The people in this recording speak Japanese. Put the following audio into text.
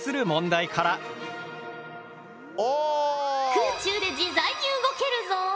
空中で自在に動けるぞ。